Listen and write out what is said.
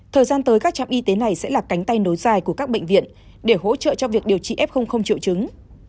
thời gian tới các trạm y tế này sẽ là cánh tay nối dài của các bệnh viện để hỗ trợ cho việc điều trị f triệu chứng